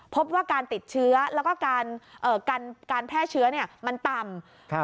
พบว่าการติดเชื้อแล้วก็การแพร่เชื้อมันต่ำ